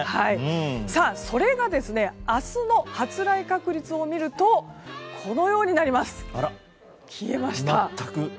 それがですね明日の発雷確率を見ると消えました。